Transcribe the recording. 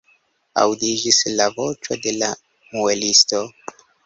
Aŭdiĝis la voĉo de la muelisto.